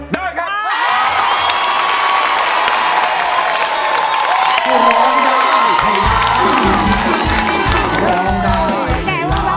ด้วยครับ